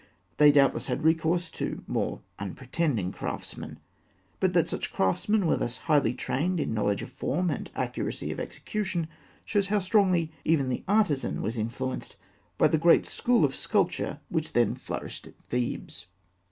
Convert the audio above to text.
They, doubtless, had recourse to more unpretending craftsmen; but that such craftsmen were thus highly trained in knowledge of form and accuracy of execution, shows how strongly even the artisan was influenced by the great school of sculpture which then flourished at Thebes.